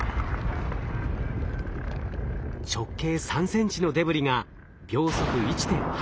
直径３ｃｍのデブリが秒速１．８ｋｍ。